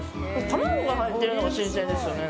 卵が入ってるのが新鮮ですよね。